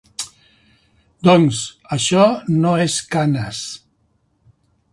Doncs, això no és Canes.